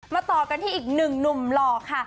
ต่อกันที่อีกหนึ่งหนุ่มหล่อค่ะ